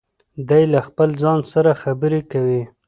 دی له خپل ځان سره خبرې کوي.